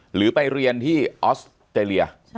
หรือไปเรียนที่ออสเตรเลีย